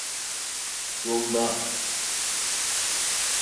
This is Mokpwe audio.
Tómbâ.